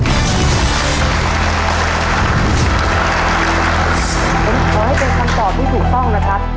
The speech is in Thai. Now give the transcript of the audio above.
ผมขอให้เป็นคำตอบที่ถูกต้องนะครับ